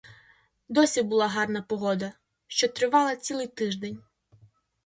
Досі була гарна погода, що тривала цілий тиждень.